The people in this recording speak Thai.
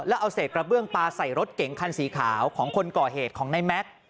แล้วเอาเศษกระเบื้องปลาใส่รถเก๋งคันสีขาวของคนก่อเหตุของในแม็กซ์